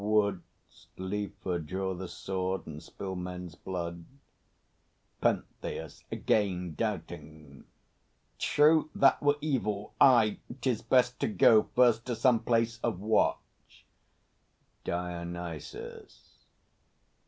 Wouldst liefer draw the sword and spill men's blood? PENTHEUS (again doubting). True, that were evil. Aye; 'tis best to go First to some place of watch. DIONYSUS.